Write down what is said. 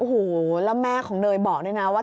โอ้โหแล้วแม่ของเนยบอกด้วยนะว่า